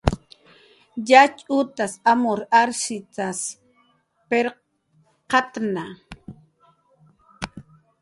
Yatx utas amur arshisn pirqatna